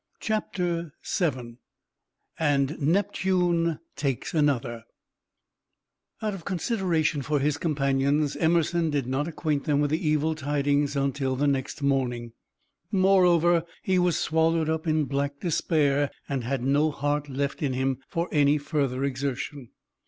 CHAPTER VII AND NEPTUNE TAKES ANOTHER Out of consideration for his companions, Emerson did not acquaint them with the evil tidings until the next morning; moreover, he was swallowed up in black despair, and had no heart left in him for any further exertion.